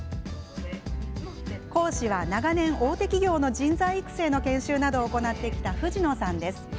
講師は長年、大手企業の人材育成の研修などを行ってきた藤野さんです。